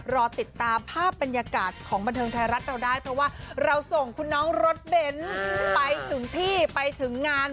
เราส่งคุณน้องรดเด่นไปถึงที่ไปถึงงาน